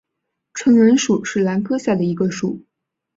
唇兰属是兰科下的一个属。